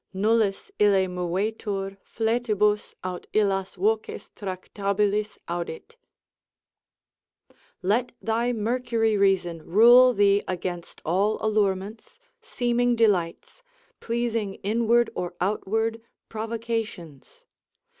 ———nullis ille movetur Fletibus, aut illas voces tractabilis audit; Let thy Mercury reason rule thee against all allurements, seeming delights, pleasing inward or outward provocations.